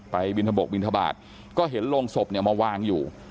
บินทบกบินทบาทก็เห็นโรงศพเนี่ยมาวางอยู่